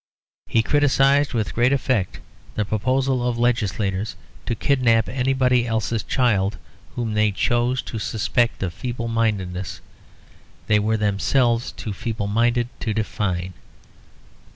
He criticised with great effect the proposal of legislators to kidnap anybody else's child whom they chose to suspect of a feeblemindedness they were themselves too feeble minded to define.